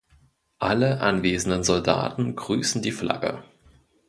Alle anwesenden Soldaten grüßen die Flagge.